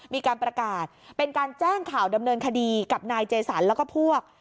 มีการประกาศเป็นการแจ้งข่าวดำเนินคดีกับนายเจสันแล้วก็พวก